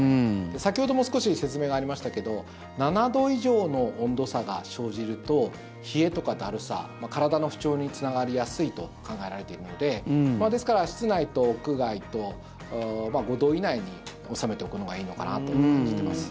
先ほども少し説明がありましたが７度以上の温度差が生じると冷えとか、だるさ体の不調につながりやすいと考えられているのでですから、室内と屋外と５度以内に収めておくのがいいのかなと感じています。